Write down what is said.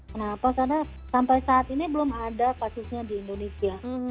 kenapa karena sampai saat ini belum ada kasusnya di indonesia